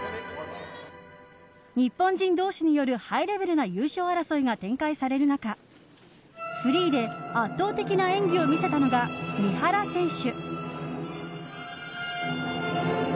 日本人同士によるハイレベルな優勝争いが展開される中フリーで圧倒的な演技を見せたのが三原選手。